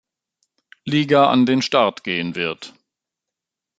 Liga an den Start gehen wird.